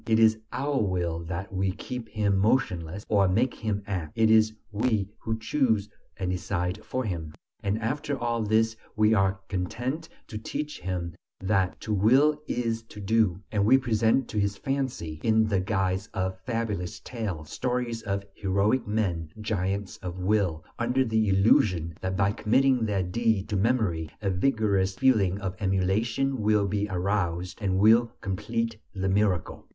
It is by our will that we keep him motionless, or make him act; it is we who choose and decide for him. And after all this we are content to teach him that "to will is to do" (volere è potere). And we present to his fancy, in the guise of fabulous tales, stories of heroic men, giants of will, under the illusion that by committing their deeds to memory a vigorous feeling of emulation will be aroused and will complete the miracle.